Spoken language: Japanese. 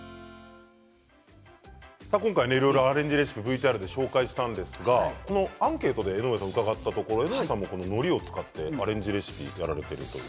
今回いろいろとアレンジレシピをＶＴＲでご紹介したんですがアンケートで江上さんに伺ったところのりを使ってアレンジレシピをされていると。